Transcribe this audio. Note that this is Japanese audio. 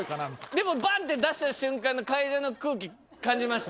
でもバンって出した瞬間の会場の空気感じました？